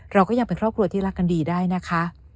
เราก็ยังเป็นครอบครัวที่รักกันดีได้นะคะ